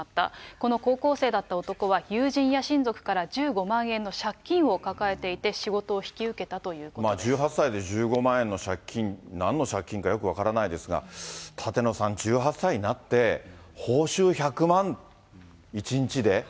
この高校生だった男は、友人や親族から１５万円の借金を抱えていて、仕事を引き受けたと１８歳で１５万円の借金、なんの借金か、よく分からないですが、舘野さん、１８歳になって、報酬１００万、１日で。